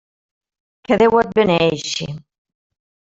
Que Déu et beneeixi!